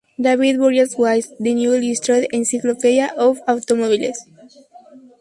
David Burgess Wise, "The New Illustrated Encyclopedia of Automobiles".